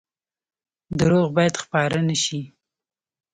دروغ باید خپاره نشي